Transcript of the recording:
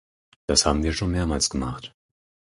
Das haben wir schon mehrmals gemacht.